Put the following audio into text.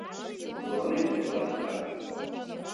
Мыланем тетла садак.